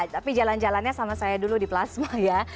tapi jalan jalannya sama saya dulu di plasma ya